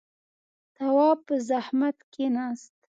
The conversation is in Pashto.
تواب په زحمت کېناست.